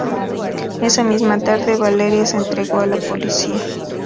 Esa misma tarde, Valerie se entregó a la policía.